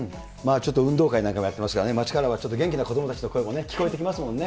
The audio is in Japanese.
ちょっと運動会なんかもやってましたからね、街からは元気な子どもたちの声も聞こえてきますもんね。